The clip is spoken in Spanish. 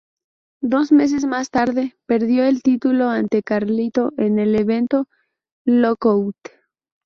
Dos meses más tarde perdió el título ante Carlito en el evento "Lockout".